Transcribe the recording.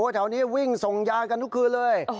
แถวนี้วิ่งส่งยากันทุกคืนเลย